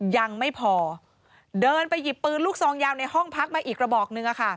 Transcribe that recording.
ยังไม่พอเดินไปหยิบปืนลูกซองยาวในห้องพักมาอีกระบอกนึง